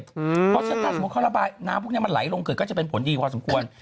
เพราะฉะนั้นถ้าสมมุติเขาระบายน้ำพวกนี้มันไหลลงเกิดก็จะเป็นผลดีพอสมควร